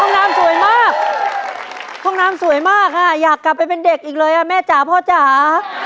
น้ำสวยมากห้องน้ำสวยมากค่ะอยากกลับไปเป็นเด็กอีกเลยอ่ะแม่จ๋าพ่อจ๋า